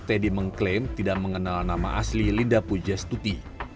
teddy mengklaim tidak mengenal nama asli linda pujastuti